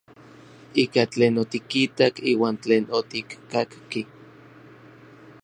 Ika tlen otikitak iuan tlen otikkakki.